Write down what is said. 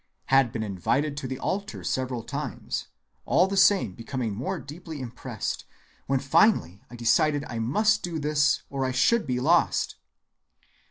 Had been invited to the altar several times, all the time becoming more deeply impressed, when finally I decided I must do this, or I should be lost.